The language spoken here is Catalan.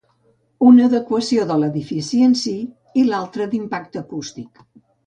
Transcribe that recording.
Una l’adequació de l’edifici en sí i l’altre d’impacte acústic.